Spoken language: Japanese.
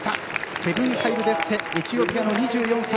ヘヴン・ハイル・デッセエチオピアの２４歳。